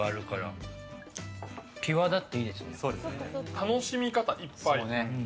楽しみ方いっぱい。